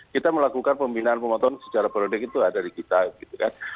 kita melakukan pembinaan pemotongan secara perunding itu ada di kita gitu kan